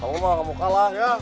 kamu mah kamu kalah ya